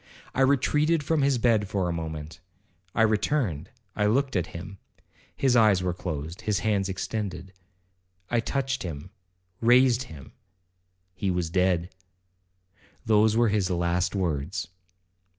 I retreated from his bed for a moment. I returned, I looked at him,—his eyes were closed,—his hands extended. I touched him,—raised him,—he was dead,—those were his last words.